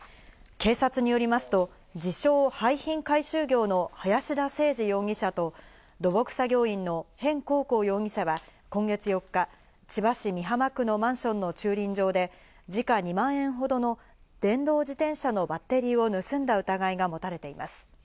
警察によりますと自称・廃品回収業の林田清司容疑者と土木作業員の辺紅光容疑者は、今月４日、千葉市美浜区のマンションの駐輪場で時価２万円ほどの電動自転車のバッテリーを盗んだ疑いが持たれています。